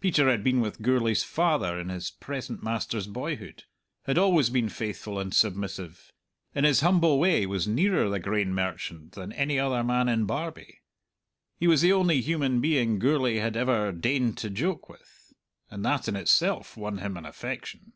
Peter had been with Gourlay's father in his present master's boyhood, had always been faithful and submissive; in his humble way was nearer the grain merchant than any other man in Barbie. He was the only human being Gourlay had ever deigned to joke with, and that in itself won him an affection.